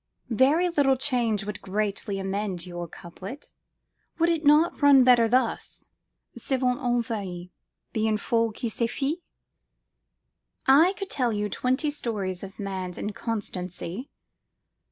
'Very little change would greatly amend your couplet: would it not run better thus 'Souvent homme varie, Bien folle qui s'y fie?'I could tell you twenty stories of man's inconstancy.""